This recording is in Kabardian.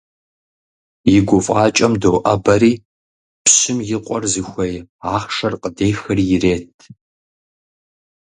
И гуфӀакӀэм доӀэбэри, пщым и къуэр зыхуей ахъшэр къыдехри ирет.